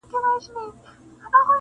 • د پښتو اشعار يې دُر لعل و مرجان کړه,